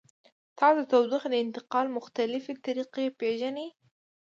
تاسو د تودوخې د انتقال مختلفې طریقې پیژنئ؟